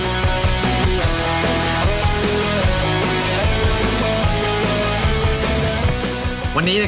ก็บักกว่าก็ดีแล้ว